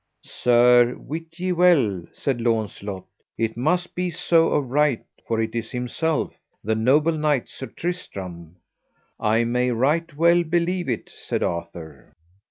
Sir, wit ye well, said Launcelot, it must be so of right, for it is himself, that noble knight Sir Tristram. I may right well believe it, said Arthur.